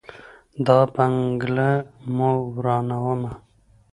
دا بنګله مو ورانومه.